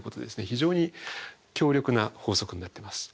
非常に強力な法則になってます。